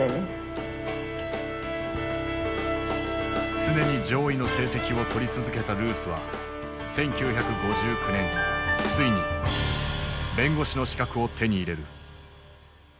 常に上位の成績を取り続けたルースは１９５９年ついに弁護士の資格を手に入れる。